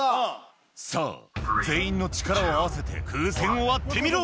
さぁ全員の力を合わせて風船を割ってみろ！